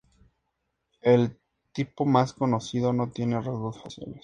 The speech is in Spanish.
El tipo más conocido no tiene rasgos faciales.